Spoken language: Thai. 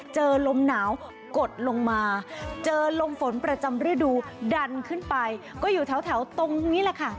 เจอลมหนาวกดลงมาเจอลมฝนประจำฤดูดันขึ้นไปก็อยู่แถวตรงนี้แหละค่ะ